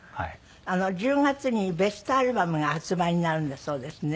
１０月にベストアルバムが発売になるんだそうですね。